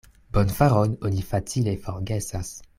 Bonfaron oni facile forgesas.